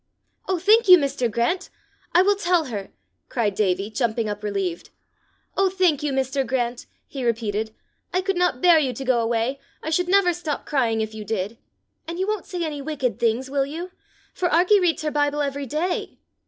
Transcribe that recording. "Oh, thank you, Mr. Grant! I will tell her," cried Davie, jumping up relieved. "Oh, thank you, Mr. Grant!" he repeated; "I could not bear you to go away. I should never stop crying if you did. And you won't say any wicked things, will you? for Arkie reads her Bible every day."